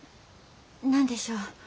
何でしょう？